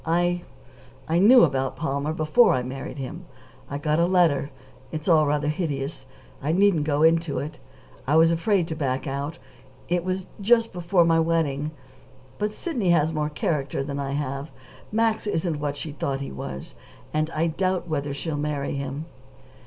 I I knew about Palmer before I married him. I got a letter. It's all rather hideous I needn't go into it. I was afraid to back out; it was just before my wedding. But Sidney has more character than I have. Max isn't what she thought he was, and I doubt whether she'll marry him."